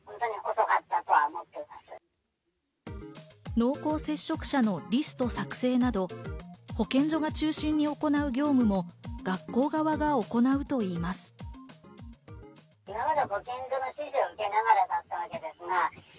濃厚接触者のリスト作成など保健所が中心に行う業務も学校側が行うといいます。